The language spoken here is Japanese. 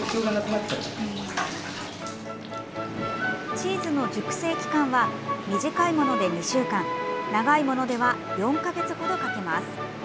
チーズの熟成期間は短いもので２週間長いものでは４か月程かけます。